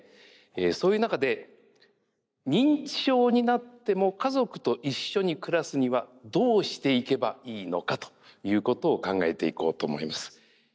そういう中で認知症になっても家族と一緒に暮らすにはどうしていけばいいのかということを考えていこうと思います。